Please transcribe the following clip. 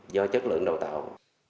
do chất lượng đào tạo